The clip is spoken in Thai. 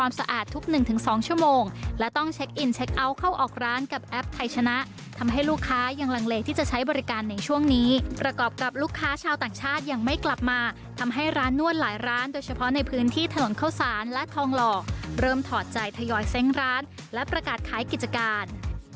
ลูกค้าชาวต่างชาติยังไม่กลับมาทำให้ร้านนวดหลายร้านโดยเฉพาะในพื้นที่ถนนเข้าสานและทองหล่อเริ่มถอดใจทยอยแซ่งร้านและประกาศคล้ายกิจการ